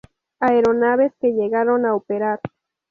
Aeronaves que llegaron a operar.